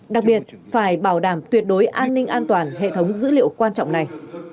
đặc biệt phải bảo đảm tuyệt đối an ninh an toàn hệ thống dữ liệu quan trọng này